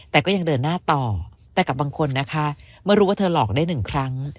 แต่ก็ยังเดินหน้าต่อแต่กับบางคนนะคะเมื่อรู้ว่าเธอหลอกได้หนึ่งครั้ง